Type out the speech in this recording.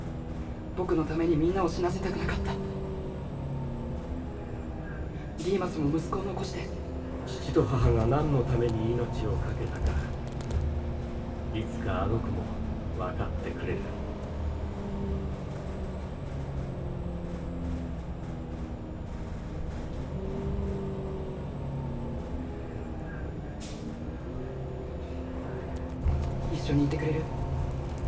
僕のためにみんなを死なせたくなかったリーマスも息子を残して父と母が何のために命を懸けたかいつかあの子も分かってくれる一緒にいてくれる？